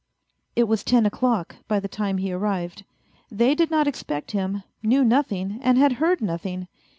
It was ten o'clock by the time he arrived. They did not expect him, knew nothing and had heard nothing.